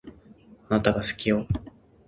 あなたが好きよ